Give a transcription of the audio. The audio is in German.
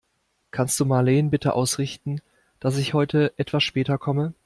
Kannst du Marleen bitte ausrichten, dass ich heute etwas später komme?